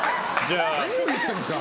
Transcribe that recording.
何を言ってるんですか。